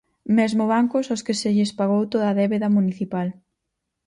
Mesmo bancos aos que se lles pagou toda a débeda municipal.